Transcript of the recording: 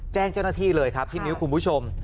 แจ้งเจ้าหน้าที่เลยครับพี่มิ้วคุณผู้ชม